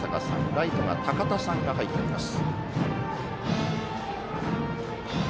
ライトは高田さんが入っています。